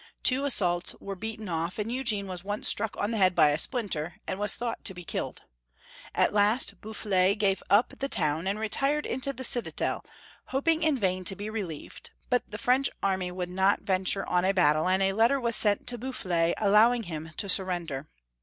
Two assaults were beaten off, and Eugene was once struck on the head by a splinter, and was thought to be killed. At last Boufflers gave up the town, and retired into the citadel, hoping in vain to be relieved, but the French army would not venture on a battle, and a letter was sent to Bouf flers allowing hini to surrender.